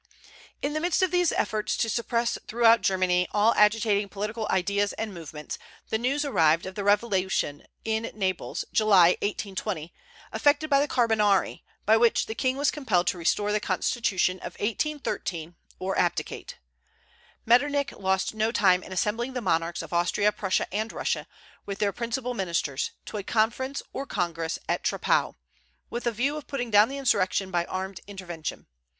In the midst of these efforts to suppress throughout Germany all agitating political ideas and movements, the news arrived of the revolution in Naples, July, 1820, effected by the Carbonari, by which the king was compelled to restore the constitution of 1813, or abdicate. Metternich lost no time in assembling the monarchs of Austria, Prussia, and Russia, with their principal ministers, to a conference or congress at Troppau, with a view of putting down the insurrection by armed intervention.